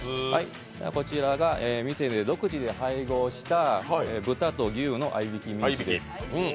こちらが店で独自に配合した豚と牛の合びきミンチです。